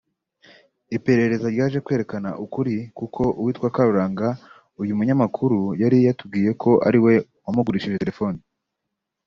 Iperereza ryaje kwerekana ukuri kuko uwitwa Karuranga uyu munyamakuru yari yatubwiye ko ariwe wamugurishije terefone